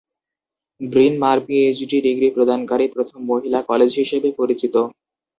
Brin Mawr PhD degree প্রদানকারী প্রথম মহিলা কলেজ হিসেবে পরিচিত।